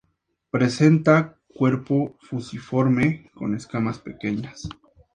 Presenta cuerpo fusiforme, con escamas pequeñas.